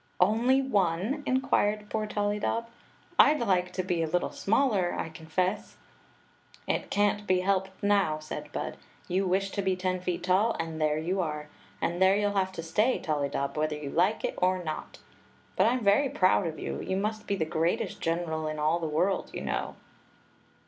" Only one ?" inquired poor Tollydob. " I 'd like to be a little smaller, I confess." "It can't be helped now," said Bud. " You wished to be ten feet tall, and there you are! And there you '11 have to stay, Tollydob, whether you like it or not. But I 'm very proud of you. You must be the greatest general in all the world, you know